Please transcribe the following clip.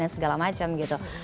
dan segala macam gitu